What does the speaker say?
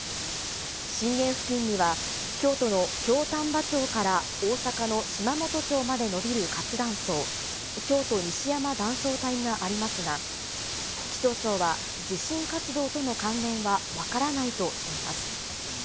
震源付近には、京都の京丹波町から大阪の島本町まで延びる活断層、京都西山断層帯がありますが、気象庁は、地震活動との関連は分からないとしています。